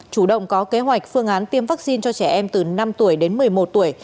chủ động có kế hoạch phương án tiêm vaccine cho trẻ em từ năm tuổi đến một mươi một tuổi